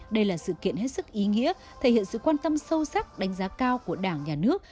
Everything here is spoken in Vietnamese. đây là sự kiện hết sức ý nghĩa thể hiện sự quan tâm sâu sắc đánh giá cao của đảng nhà nước